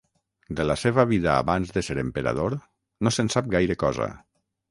De la seva vida abans de ser emperador no se'n sap gaire cosa.